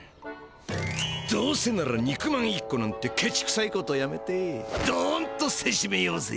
どうせなら肉まん１こなんてケチくさいことやめてどんとせしめようぜ！